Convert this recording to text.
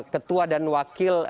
ketua dan wakil